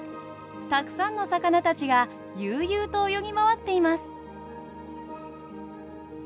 たくさんの魚たちが悠々と泳ぎ回っています。